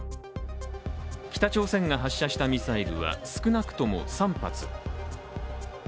北朝鮮が発射したミサイルは少なくとも３発。